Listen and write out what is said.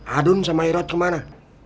adun sama herod kemana